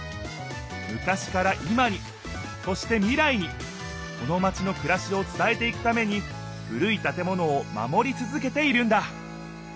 昔から今にそして未来にこのマチのくらしを伝えていくために古い建物を守り続けているんだ